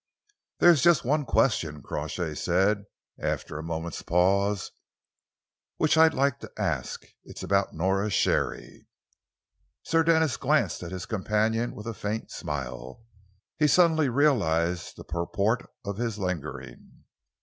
"There is just one question," Crawshay said, after a moment's pause, "which I'd like to ask. It's about Nora Sharey." Sir Denis glanced at his companion with a faint smile. He suddenly realised the purport of his lingering.